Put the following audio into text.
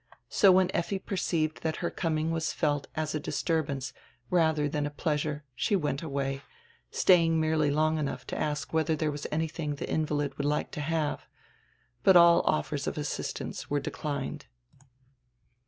So when Effi perceived diat her coming was felt as a disturbance radier tiian a pleasure she went away, staying merely long enough to ask whether diere was anything die invalid would like to have. But all offers of assistance were declined.